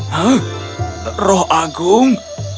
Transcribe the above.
hah roh agung